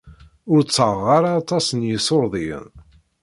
Ur ttaɣeɣ ara aṭas n yiṣurdiyen.